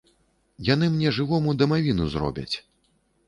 Яны мне жывому, дамавіну зробяць!